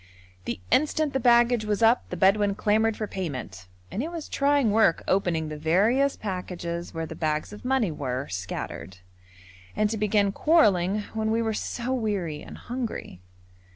The instant the baggage was up the Bedouin clamoured for payment, and it was trying work opening the various packages where the bags of money were scattered, and to begin quarrelling when we were so weary and hungry.